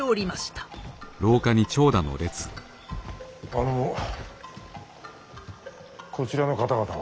あのこちらの方々は？